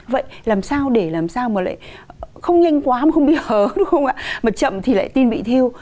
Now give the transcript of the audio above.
vậy làm sao để làm sao mà lại không nhanh quá mà không bị hớ đúng không ạ mà chậm thì lại tin bị thiêu